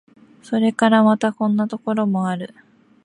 それからまた、こんなところもある。